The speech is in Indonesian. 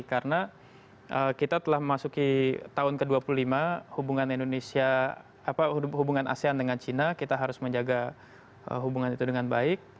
karena kita telah memasuki tahun ke dua puluh lima hubungan asean dengan china kita harus menjaga hubungan itu dengan baik